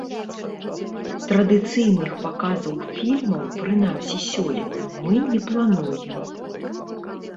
Традыцыйных паказаў фільмаў, прынамсі, сёлета мы не плануем.